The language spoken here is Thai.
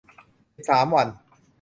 สิบสาม วัน